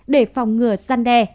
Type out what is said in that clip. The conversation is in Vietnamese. để phòng ngừa săn đe